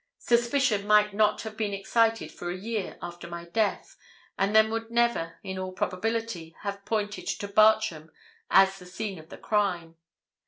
Suspicion might not have been excited for a year after my death, and then would never, in all probability, have pointed to Bartram as the scene of the crime.